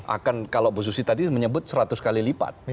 akan kalau bu susi tadi menyebut seratus kali lipat